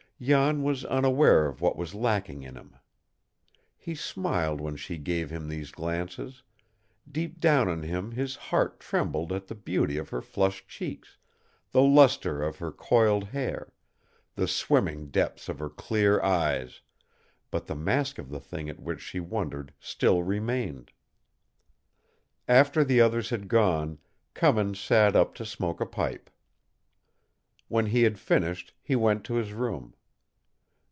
Jan was unaware of what was lacking in him. He smiled when she gave him these glances; deep down in him his heart trembled at the beauty of her flushed cheeks, the luster of her coiled hair, the swimming depths of her clear eyes; but the mask of the thing at which she wondered still remained. After the others had gone, Cummins sat up to smoke a pipe. When he had finished, he went to his room.